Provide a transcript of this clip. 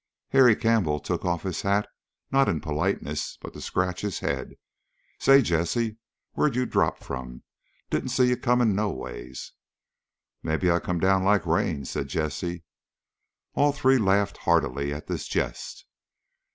Harry Campbell took off his hat, not in politeness, but to scratch his head. "Say, Jessie, where'd you drop from? Didn't see you coming no ways." "Maybe I come down like rain," said Jessie. All three laughed heartily at this jest.